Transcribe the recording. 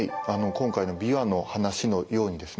今回のビワの話のようにですね